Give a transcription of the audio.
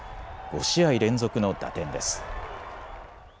５試合連続の打点です。